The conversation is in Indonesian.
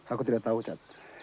aku tidak tahu cat